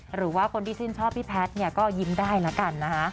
หรือว่าคนที่ชื่นชอบพี่แพทย์เนี่ยก็ยิ้มได้แล้วกันนะคะ